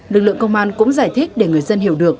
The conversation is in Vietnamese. lực lượng công an cũng giải thích để người dân hiểu được